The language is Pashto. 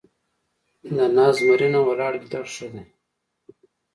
ـ د ناست زمري نه ، ولاړ ګيدړ ښه دی.